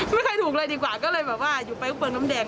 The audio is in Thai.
ไม่เคยถูกเลยดีกว่าก็เลยอยู่ไปอุปรันด้ำแดง